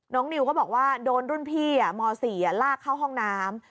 นิวก็บอกว่าโดนรุ่นพี่ม๔ลากเข้าห้องน้ำ